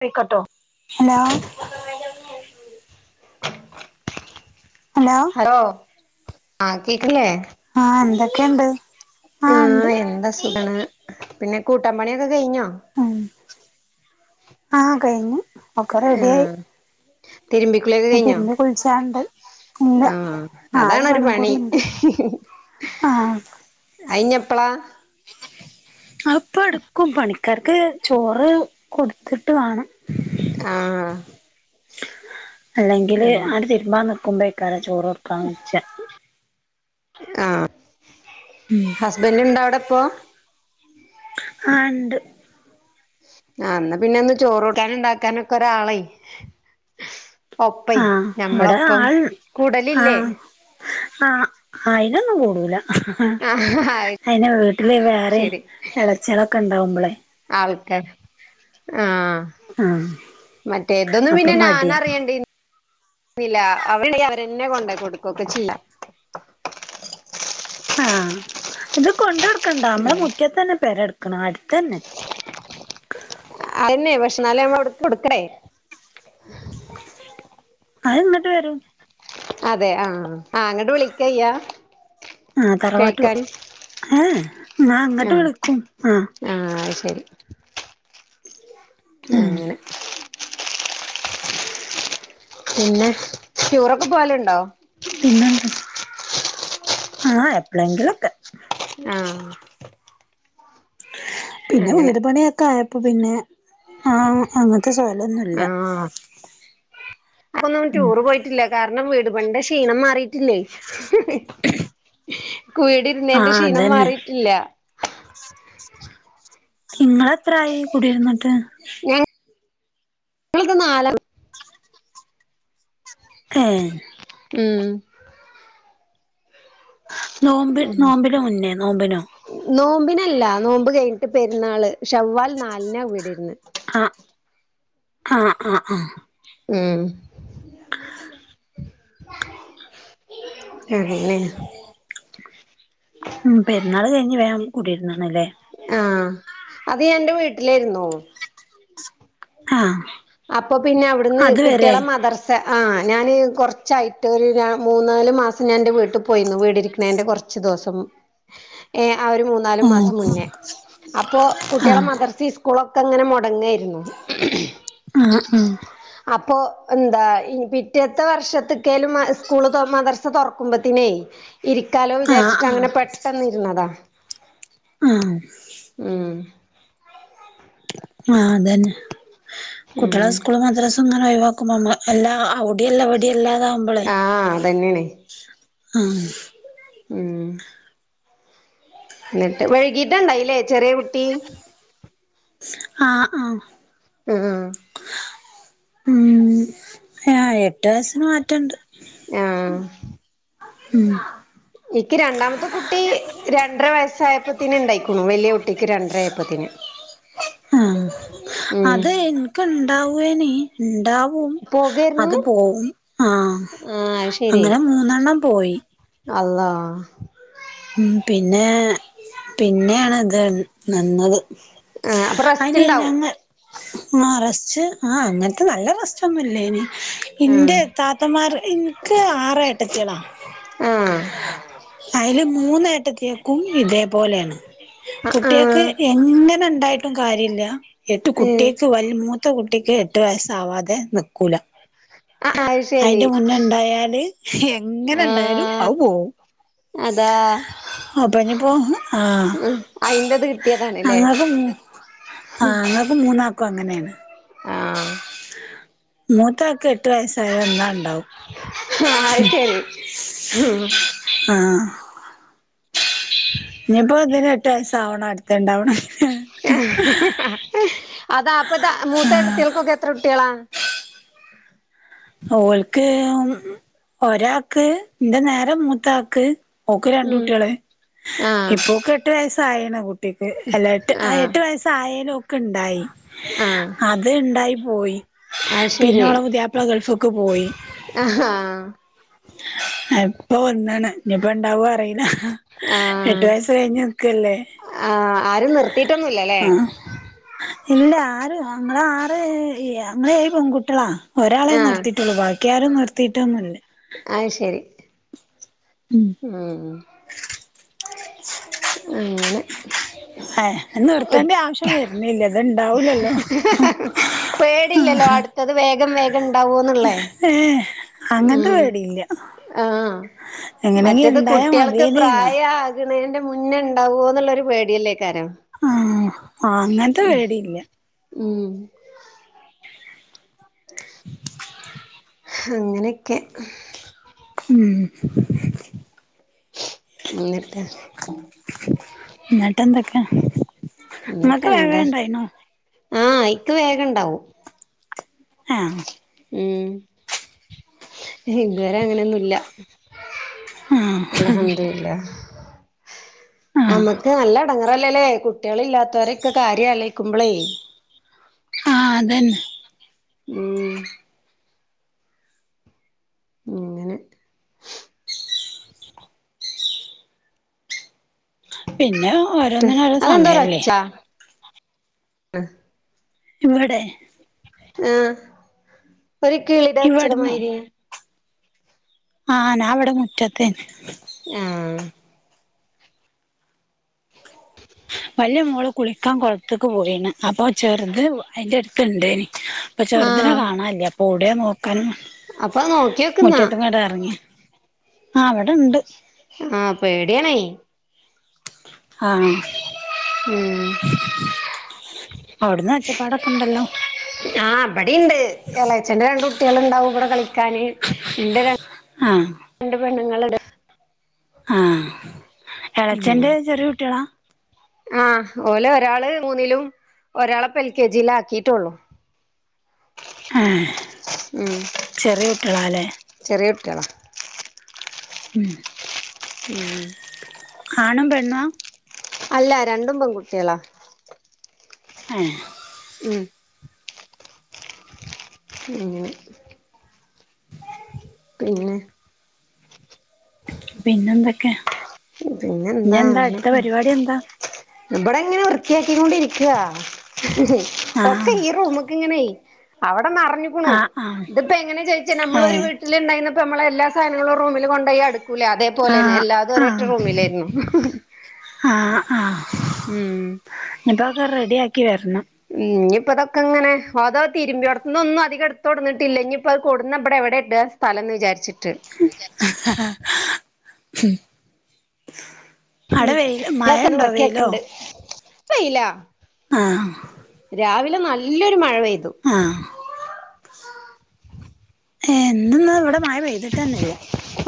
പീക്കട്ടോ hello hello. Hello ആ കേക്കിനില്ല്യേ. ആഹ് എന്തൊക്കെണ്ട്? ആഹ് എന്താ സുഗാണ് പിന്നെ കൂട്ടാ പണ്യോക്കെ കഴിഞ്ഞോ? ഉം ആഹ കഴിഞ്ഞു. ഒക്കെ റെഡിയായി ആഹ് തിരിമ്പി തിരുമ്പി കുളിച്ചാണ്ട്. ഇല്ല ആഹ് ആ ഒരു അതാണരു പണിയും കൂടി പണി. ഉണ്ട് ആഹ് അയിഞ്ഞെപ്പളാ? അവുപ്പൊടുക്കും പണിക്കാർക്ക് ചോറ് കൊടുത്തിട്ട് വാണം. ആഹ്. അല്ലെങ്കില് ഉം അങ്ങട്ട് തിരുമ്പാ നിക്കുമ്പോേക്കാരം ചോറ് കൊടുക്കാ വുളിച്ചാ ആഹ് ഉം ഹസ്ബൻഡ് ഇണ്ടോ അവിടെപ്പോ ആ ണ്ട് ആ ന്ന പിന്നെ ഇന്ന് ചോറൂട്ടാനും ഇണ്ടാക്കാനൊക്കെ ഒരാളെയ് ഒപ്പൈ ആഹ് ഇവിടെ ഞമ്മളൊപ്പം ആൾ കൂടലില്ലേ ആഹ് ആഹ് അയിനൊന്നും കൂടൂല ആ അത് അയിന് വീട്ടില് വേറെ ശരി ഇളച്യാളൊക്കെ ഉണ്ടാവുമ്പോളെ ആൾക്കാർ ആഹ് ആഹ് മറ്റേഇതൊന്നും അപ്പൊ പിന്നെ മടിയാ ഞാനറിയണ്ടീ ന്നില്ല അവരിണ്ടെങ്കി അവരന്നെ കൊണ്ടോയി കൊടുക്കുവൊക്കെ ചിയ്യാ ആഹ് ഇത് കൊണ്ട് കൊടുക്കണ്ട ഉം മ്മളെ മുറ്റ്യത്ത് തന്നെ പെരെ കടക്കണേ അടുത്തന്നെ അയന്നെ പക്ഷ ന്നാലും നമ്മളവിടുക്ക് കൊടുക്കേ അഅ് ന്നിട്ട് വരും അതെ ആഹ് ആ അങ്ങട്ട് വിളിക്കയ്യാ ആ തറവാട്ടു ഏ ഞാ ആ അങ്ങട്ട് വിളിക്കും ആഹ് ആ അത് ശരി ആ അങ്ങനെ പിന്നെ റ്റൂറൊക്കെ പോവലുണ്ടോ? പിന്നെന്ത ആഹ് എപ്പളേങ്കിലുംഒക്കെ ആഹ് പിന്നെ അങ്ങനെ വീട് പണിയൊക്കെ ആയപ്പോ പിന്നെ ആഹ് അങ്ങനത്തെ സ്വലൊന്നുംല്ല പ്പൊന്നും ടൂറ് പോയിട്ടില്ല കാരണം വീട് പണിന്റെ ക്ഷീണം മാറിയിട്ടില്ലേ. വീടിരുന്നയിന്റെ ആഹ് ക്ഷീണം അതന്നെ മാറിയിട്ടില്ല. ഇങ്ങളെത്രായി കുടിയിരുന്നിട്ട് നാല ഏഹ് ഉം നോമ്പ് നോമ്പിന് മുന്നേ നോമ്പിനോ നോമ്പിനല്ല നോമ്പ് കഴിഞ്ഞിട്ട് പെരുന്നാള് ഷവ്വാൽ നാലിനാ വീട്ര്ന്ന് ആഹ് ആഹ് ആഹ് ആഹ് ഉം ഏ ഇല്ലേ ഉം പെരുന്നാൾ കഴിഞ്ഞ് വേഗം കുടിയിരുന്നാണല്ലേ. ആഹ് അത് ഞാനിന്റെ വീട്ടിലരുന്നു ആഹ് അപ്പൊ പിന്നെ അവിടുന്ന് അതുവരെ കുട്ട്യാളെ മദർ സ് ആ ഞാാന് കുറച്ചായിട്ട് ഒരു ര മൂന്നാല് മാസം ഞാൻ ന്റെ വീട്ടിൽ പോയിരുന്നു വീടിരിക്കണേ ന്റെ കുറച്ച് ച്ചു ദിവസം ഏ ആ ഒരു മൂന്നാല് ഉം മാസം മുന്നേ അപ്പോ കുട്ട്യാളെ ആഹ് മദർസീ സ്കൂളൊക്കെ അങ്ങനെ മുടങ്ങായിരുന്നു. ആ ഉം അപ്പൊ എന്താ ഇനി പിറ്റേത്തെ വർഷത്ത്ക്കേലും മ സ്കൂള് തൊർ മദ്റസ് സ് തുറക്കുമ്പോത്തിനേ ഇരിക്കാലോ ആഹ് വിചാരിച്ചിട്ട് ആഹ് അങ്ങനെ പെട്ടെന്ന് ഇരുന്നതാ ആഹ് ഉം ആഹ് അതന്നെ ഉം കുട്ട്യാളെ സ്കൂള് മദ്രസും ഇങ്ങനെ ഒഴിവാക്കുമ്പോമ്മ എല്ലാ അവിടെല്ല ഇവിടെല്ലാതാകുമ്പോളേ ആ അതന്നേണ് ആഹ് ഉം എന്നിട്ട് വൈകിട്ടാണ്ടായില്ലേ ചെറിയ കുട്ടി ആഹാ ആഹാ.. ! ഉം... ! ഉം അ എട്ട് വയസിന് മാറ്റംണ്ട്. ആഹ് ഉം ആഹ് എക്ക് രണ്ടാമത്തെ കുട്ടി രണ്ടര വയസ്സായപ്പത്തിന് ഉണ്ടായിക്കണു, വലിയ കുട്ടിക്ക് രണ്ടര ആയപ്പത്തിന്. ആഹ് ഉം അത് എനക്ക് ഇണ്ടാവേന ഉണ്ടാവ പോകായിരുന്നു അത് പോവും ആഹ് ആഹ് അങ്ങനെ മൂന്നെണ്ണം പോയി. അള്ളാഹ് ഉം പിന്നെ പിന്നെയണ ഇത് നിന്നത്. ആഹ് അപ്പൊ റെസ്റ്റ് അയിന് ഇണ്ടാവും ഞങ്ങള്, ആഹാ റസ്റ്റ് ആഹാ അങ്ങനത്തെ നല്ല റസ്റ്റ്‌ ന്നുല്ലേയ്ന് ആഹ് ഇന്റെ താത്ത, ന്മാർ എനിക്ക് ആറ് ഏട്ടത്തിയാള ആഹ് അയ്ല് മൂന്ന് എ കെക്കും ഇതേപോലെയാണ്, ആഹ് കുട്ടികൾക്ക് ആഹ് എങ്ങനെ ഇണ്ടായിട്ടും കാര്യമില്ല. എട്ട് ഉം കുട്ടിയാക്ക് വല മൂത്ത കുട്ടിക്ക് എട്ടു വയസ്സാവാതെ നിക്കൂല. [inaudible] അത് ശരി അതിന്റെ മുന്നേ ഉണ്ടായാല്, എങ്ങനെ ഇണ്ടായാലും ആഹ് അത് പോവും. അതാ അപ്പ ഇനിപ്പോ ആഹ് ഉം അയിന്റത് കിട്ടിയതാണ്ല്ലേ അങ്ങക്ക് മൂ ആഹാ അങ്ങക്ക് മൂന്നാക്കും- അങ്ങനെയണ്. ആഹ് മൂത്തക്ക് എട്ട് വയസ്സായ ഒന്നാ ഉണ്ടാവും. ആഹാ അത് ശരി ഹും.. ! ആഹ് [inaudible] ഇനിപ്പോ ഇതിന് എട്ട് വയസ് ആവണ അടുത്ത ഇണ്ടാവണംഎങ്കി. അതാ അപ്പതാ മൂത്താ കുട്ടയാൾക്ക് ക്കൊക്ക എത്ര കുട്ടികളാ? ഓല്ക്ക് ഒരാക്ക് എന്റെ നേര മൂത്താക്ക് ഓക്ക് രണ്ട് ഉം കുട്ടിള് ആഹ് ഇപ്പൊക്കെ എട്ടു വയസ്സായണ കുട്ടിക്ക് അല്ല എട്ട് ആഹ് എട്ടു വയസായാലും ഒക്കെ ഉണ്ടായി. ആഹ് അത് ഇണ്ടായി പോയി. അത് പിന്നെ ഒള പുതിയാപ്പിള ഗൾഫക്ക് പോയി. ആഹാ ആഹാ... ! ഇപ്പൊ വന്നാണ് ഇനിയിപ്പ ഉണ്ടാവും അറ ആഹാ എട്ടു വയസ് കഴിഞ്ഞു നിക്കല്ലേ? ആഹാ ആരും, നിർത്തിയിട്ടൊന്നുല്ലല്ലേ? ആഹ് ഇല്ല ആറ് ഞങ്ങള് ആറ് ഞങ്ങള്, ഏഴു പെൺകുട്ടികളാ. ഒരാളെ ആഹ് നിർത്തിയിട്ടുള്ളൂ ബാക്കി ആരും നിർത്തിയിട്ടൊന്നുല്ല. അത് ശരി.. ! ഉം ഉം അങ്ങനെ ആഹാ അത് നിർത്തേണ്ട ആവശ്യം വര്ണില്ല ത്ണ്ടാവൂലല്ലോ. പേടില്ലല്ലോ അടുത്തത് വേഗം.. വേഗം ഉണ്ടാവോന്നുള്ളേ. ഏഹ് അങ്ങനത്തെ ഉം പേടിയില്ല. ആഹ് എങ്ങനെങ്കി ഇണ്ടായാ- മതിയേതന്നാ. ഇതിന്റെ മുന്നേ ഉണ്ടാവോ- എന്നുള്ളൊരു പേടിയല്ലേക്കാരം. ആഹാ അങ്ങനത്തെ പേടിയില്ല. ഉം.. ! [inaudible] ഉ അങ്ങനെയൊക്കെ ഉം എന്നിട്ട് എന്നിട്ട എന്തൊക്കെ എന്നിട്ട് ങ്ങക്ക് എന്താ വേഗണ്ടായിനോ ആഹ് [unintelligible] വേഗഇണ്ടാവും ആഹ് ഉം ഇതുവരെ അങ്ങനൊന്നുല്ല ആഹ് അൽഹമ്ദുരില്ല ആഹ് നമ്മക്ക് നല്ല എടങ്ങറല്ലല്ലേ കുട്ടികളില്ലാത്തൊരൊക്കെ കാര്യം ആലോയിക്കുമ്പോളേ ആഹ് അതന്നെ ഉം ഇങ്ങനെ പിന്നെ ഓരോന്നിനോരോ അതെന്താ സമയല്ലേ ഒരൊച്ച ഇവടെ ആഹ് ഒരു കീളിടെ ഇവിടന്നോ ഒച്ചടമായിരി ആഹ് നാവ്ടെ മുറ്റത്തേ ആഹ് വലിയ മോള് കുളിക്കാൻ കൊളത്ത്ക്ക് പോയിനും അപ്പൊ ചെറുത് അതിന്റെ അടുത്ത് ഇണ്ടേനി ചെറുദിനെ ആഹ് കാണാനില്ല അപ്പൊ ഒടെ നോക്കാൻ അപ്പൊ നോക്കിയോക്ക്ന്നാ മുറ്റത്ത്ങ്ങട്ടാ ഇറങ്ങി ആഹ്‌ അവ്ടെ ഇണ്ട് ആഹ് പേടിയാണേ ആഹ് ഉം അവിട്ന്ന് ഒച്ചപ്പാടൊക്കെ ഉണ്ടല്ലോ ആ ഇബടി ഇണ്ട് എളേച്ചന്റെ രണ്ട് കുട്ടികൾ ഉണ്ടാവും ഇവിടെ കളിക്ക [unintelligible] ആഹ് രണ്ട് പെണ്ണുങ്ങൾ ഇട് ആഹ് ഉം എളച്ചന്റെ ചെറിയ കുട്ടികളാ ആഹ് ഓലെ ഒരാള് മൂന്നിലും ഒരാളെ ഇപ്പം എൽ കെ ജിൽ ആക്കിയിട്ടുള്ളൂ ആഹ് ഉം ചെറിയ കുട്ടികളാല്ലേ ചെറിയ കുട്ടികള ഉം ഉം ആണും പെണ്ണുഅ അല്ല രണ്ടും പെൺകുട്ടികളാ ഏഹ് ഉം [inaudible] പിന്നെ പിന്നെ എന്തൊക്കെ ഇഞ്ഞ് എന്താ അടുത്ത പരിപാടി എന്താ ഇബടെങ്ങനെ വൃത്തിയാക്കിക്കൊണ്ടിരിക്ക [unintelligible] ഒക്കെ ആഹ് ഈ റൂമ്ക്ക്ങ്ങനെ അവിടെന്നറഞ്ഞു ക്ക്ണു ആഹ് ആഹ് ഇതിപ്പോ എങ്ങനെ ചോയിച്ചേ നമ്മള് ഒരു ഏഹ് വീട്ടിൽ ഉണ്ടായിനപ്പ നമ്മളല്ലാ സാനങ്ങളും റൂമിൽ കൊണ്ടയ്അടു ക്കുലേ അതേപോലെന്നെ ആഹ് എല്ലാതും ഒരൊറ്റ ആഹ് റൂമിലിരുന്നു ആഹ് ആഹ് ഉം ഇനിപ്പൊ അത് റെഡി ആക്കി വരണം ഇനിയിപ്പോ ഇതൊക്കെങ്ങനെ അതോ തിരുമ്പി ഒട്ത്ത്ന്ന് ഒന്നും അധിക എടുത്തോട്ന്നിട്ടില്ല ഇനിയിപ്പോ അത് കൊട്ന്ന ബ്ടെവ്ടെ ഇണ്ട് ഫലംന്ന് വിചാരിച്ചിട്ട് [inaudible] അവിടെ വെയില് മഴ ഉണ്ടോ വെയിലോ ഉം [unintelligible] ആഹ് രാവിലെ നല്ലൊരു മഴ പെയ്തു ആഹ്. ഏഹ് ഇന്നൊന്നും ഇവിടെ മഴ പെയ്തിട്ടന്നെല്ല.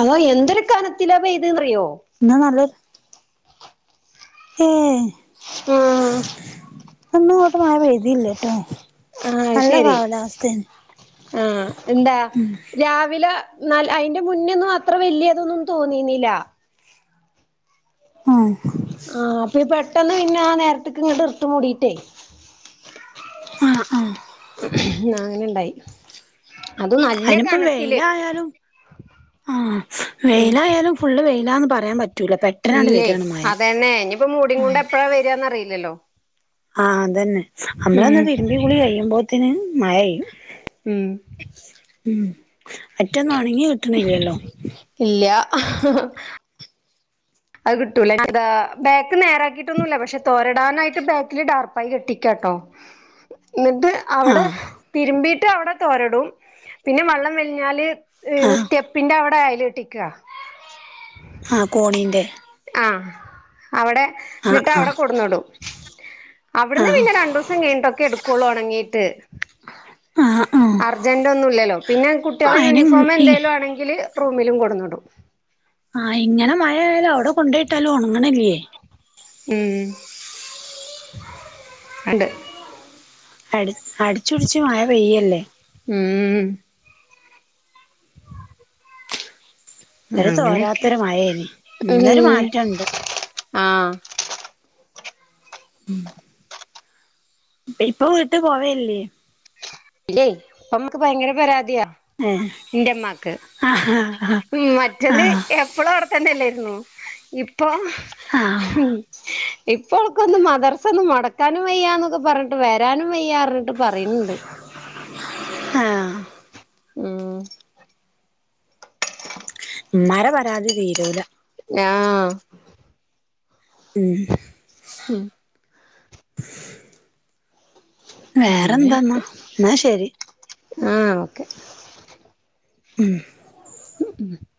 അതോ എന്തൊരു കനത്തിലാ പെയ്തെന്നറിയോ? ന്നാ നല്ലെ. ഏഹ്. മ്ം. അന്നും ഇങ്ങോട്ട് മഴ പെയ്തീല്ല്യട്ടോ നല്ല കാലാവസ്ഥയ്നു. മ്മ്മ് എന്താ? രാവില ന്നാൽ അയിന്റെ മുന്നെന്നും അത്ര വല്യതൊന്നും തോന്നീന്നീല. ആഹ് ആഹ് അപ്പൊ പെട്ടെന്ന് പിന്നെ ആ നേരത്ത്ക്ക്ങ്ങട്ട് ഇർട്ട് മൂടിയിട്ടേയ്. ആ ആ അങ്ങനെണ്ടായി അതും നല്ല കനത്തില്. ആ ഉം വെയിലായാലും ഫുള്ള് വെയിലാന്ന് പറയാൻ പറ്റൂല പെ ഇല്ലേയ് അതന്നെ ഇനിയിപ്പൊ മൂടിങ്ങോണ്ട് എപ്പഴാ വരുകാന്നറിയില്ലല്ലോ. ആഹ് അതന്നെ നമ്മളൊന്ന് തിരുമ്പികുളി കയ്യുമ്പോത്തിനും മഴെയെയ്യും. ഉം ഉം അറ്റൊന്നൊണങ്ങി കിട്ടണില്ലല്ലോ ഇല്ല്യ ഇഹ്ഹ്ഹ് അത് കിട്ടൂലാ [inaudible] ബാക്ക് നേരാക്കിട്ടൊന്നുല്ല, പഷെ തോരടാനായിട്ട് ബാക്കില് ഡാർപ്പായി കെട്ടിക്കാട്ടോ. [inaudible] ന്നിട്ട് അവടെ ആഹ് തിരുമ്പീട്ട് അവടെ തോരടും പിന്നെ വള്ളം വലിഞ്ഞാല് ഏഹ് ആഹ് സ്റ്റെപ്പിന്റെ അവടെ അയല് കെട്ടിക്കാ. ഹാ കോണീന്റെ ആ അവടെ ആഹ് ന്നിട്ട് അവടെ ആഹ് കൊട്ന്നിടും. അവിടന്ന് ആഹ് പിന്നെ രണ്ടൂസം കഴിഞ്ഞിട്ടൊക്കെ എടുക്കൊള്ളൂ ഒണങ്ങീട്ട്. ആഹ് ആഹ് അർജന്റൊന്നുമില്ലല്ലോ പിന്നെ കുട്ടേളെ അയിന് യൂണിഫോം ഈ എന്തേലുമാണെങ്കില് റൂമിലും കൊടുന്നിടും. ആ ഇങ്ങനെ മഴയയാലും അവടെ കൊണ്ടെയിട്ടാലും ഒണങ്ങണില്ലേ ഉം ആണ്ട് അടി അടിച്ചൊടിച്ച് മഴ പെയ്യല്ലേ ഉം ഒരു അങ്ങനെയൊക്കെ തോരാത്തൊരു മഴേനി ഇന്നൊരു ഉം മാറ്റണ്ട് ആ [inaudible] ഇപ്പൊ വിട്ട് പോവല്ലേ ഇല്ലേ ഇപ്പമ്മക്ക് ഭയങ്കര പരാതിയാ. ഏഹ് ന്റെമ്മാക്ക് ആഹ് ആഹ് മറ്റത് ആഹ് എപ്പ് പ്പളും അവടെതന്നെല്ലെരുന്നു ഇപ്പൊ ആഹ് ഹും ഇപ്പോൾക്കൊന്നും മദർസന്നും നടക്കാനും വയ്യാന്നൊക്കെ പറഞ്ഞിട്ട് വരാനും വയ്യാറഞ്ഞിട്ട് പറയുന്നുണ്ട്. ആഹ് ഉം ഉമ്മാടെ പരാതി തീരൂല. ആഹ് ഉം ഹും വേറെന്താന്നാ ന്നാ ശെരി ആ ഓക്കെ ഉം [inaudible]